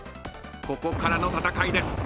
［ここからの戦いです］